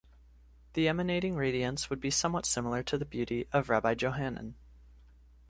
The emanating radiance would be somewhat similar to the beauty of Rabbi Johanan.